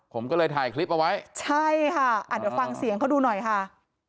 ผมก็เลยถ่ายคลิปเอาไว้ใช่ค่ะอ่ะเดี๋ยวฟังเสียงเขาดูหน่อยค่ะ